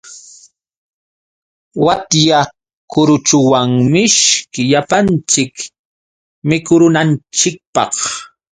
Watyakuruchuwan mishki llapanchik mikurunanchikpaq.